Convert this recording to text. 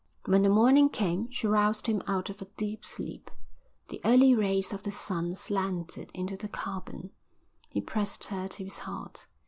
When the morning came she roused him out of a deep sleep. The early rays of the sun slanted into the cabin. He pressed her to his heart.